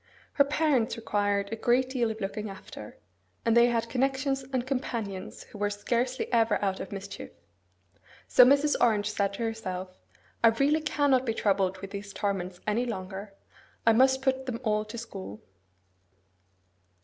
Her parents required a great deal of looking after, and they had connections and companions who were scarcely ever out of mischief. So Mrs. Orange said to herself, 'I really cannot be troubled with these torments any longer: I must put them all to school.